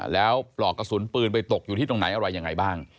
แล้วปลอกกระสุนปืนไปตกอยู่ที่ตรงไหนอะไรยังไงบ้าง